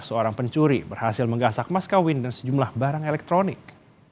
seorang pencuri berhasil menggasak mas kawin dan sejumlah barang elektronik